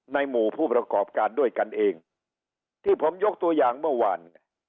หมู่ผู้ประกอบการด้วยกันเองที่ผมยกตัวอย่างเมื่อวาน